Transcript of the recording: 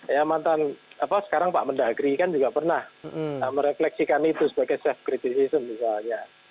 ya mantan apa sekarang pak mendagri kan juga pernah merefleksikan itu sebagai self critization misalnya